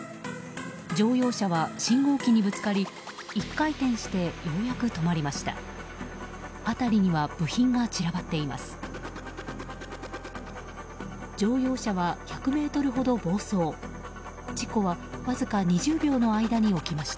乗用車は信号機にぶつかり１回転してようやく止まりました。